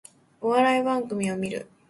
お笑い番組を観る